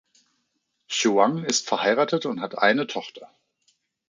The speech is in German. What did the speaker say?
Chuang ist verheiratet und hat eine Tochter.